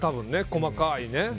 細かいね。